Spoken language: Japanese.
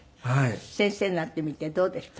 先生になってみてどうでしたか？